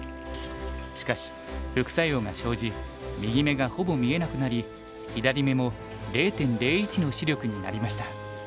しかし副作用が生じ右目がほぼ見えなくなり左目も０．０１の視力になりました。